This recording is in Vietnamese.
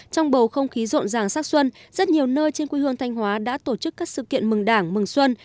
trong bầu không khí rộn ràng sắc xuân rất nhiều nơi trên quê hương thanh hóa đã tổ chức các sự kiện mừng đảng mừng xuân